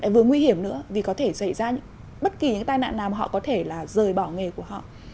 vừa nguy hiểm nữa vì có thể xảy ra bất kỳ những tai nạn nào họ có thể là rời bỏ nghề của họ